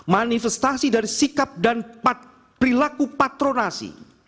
manifestasi dari sikap dan perilaku patronasi